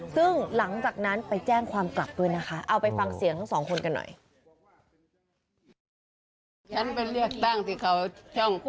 ซึ่งหลังจากนั้นไปแจ้งความกลับเบอร์นะคะ